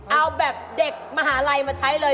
เอาแบบเด็กมหาลัยมาใช้เลย